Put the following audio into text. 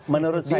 menurut saya tidak